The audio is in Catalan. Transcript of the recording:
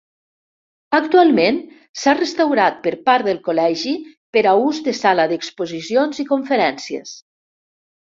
Actualment s'ha restaurat per part del Col·legi per a ús de sala d'exposicions i conferències.